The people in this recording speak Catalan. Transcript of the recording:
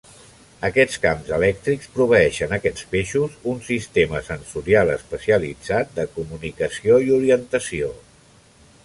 Aquests camps elèctrics proveeixen aquests peixos un sistema sensorial especialitzat de comunicació i orientació.